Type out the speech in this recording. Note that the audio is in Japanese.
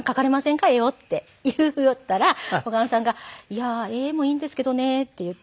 絵を」って言いよったら小雁さんが「いや絵もいいんですけどね」って言って。